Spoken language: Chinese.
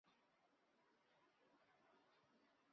线黑粉菌目是银耳纲下属的一种属于真菌的目。